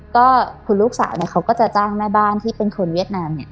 ก็คุณลูกสาวเนี่ยเขาก็จะจ้างแม่บ้านที่เป็นคนเวียดนามเนี่ย